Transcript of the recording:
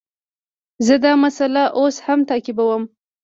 زه دا مسئله اوس هم تعقیبوم.